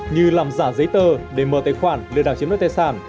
như làm giả giấy tờ để mở tài khoản để đảo chiếm đất tài sản